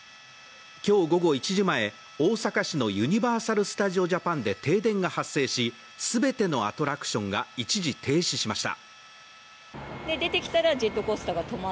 今日午後１時前、大阪市のユニバーサル・スタジオ・ジャパンで停電が発生し全てのアトラクションが一時停止しました。